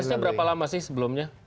bisnisnya berapa lama sih sebelumnya